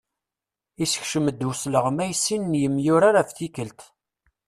Issekcem-d usleɣmay sin n yemyurar ef tikelt.